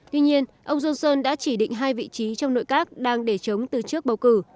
tuy nhiên ông johnson đã chỉ định hai vị trí trong nội các đang để chống từ trước bầu cử